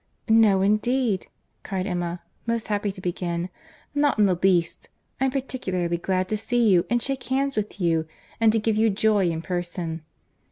"No, indeed," cried Emma, most happy to begin, "not in the least. I am particularly glad to see and shake hands with you—and to give you joy in person."